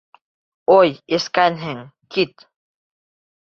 Ой, эскәнһең, кит!